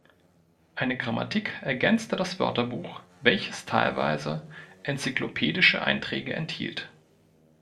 Eine Grammatik ergänzte das Wörterbuch, welches teilweise enzyklopädische Einträge enthielt.